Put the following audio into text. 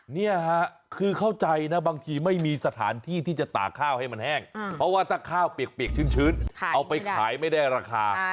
นี่ค่ะคือเข้าใจนะบางทีไม่มีสถานที่ที่จะตากข้าวให้มันแห้งเพราะว่าถ้าข้าวเปียกชื้นเอาไปขายไม่ได้ราคา